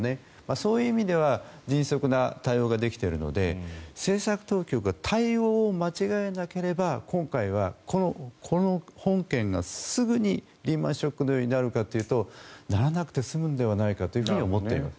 そういう意味では迅速な対応ができているので政策当局が対応を間違えなければ今回、この本件がすぐにリーマン・ショックのようになるかというとならなくて済むんではないかと思っている。